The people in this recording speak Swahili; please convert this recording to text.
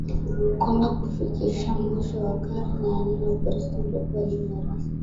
kwamba kufikia mwisho wa karne ya nne Ukristo ulikuwa dini rasmi ya